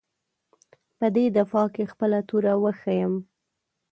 په دې دفاع کې خپله توره وښیيم.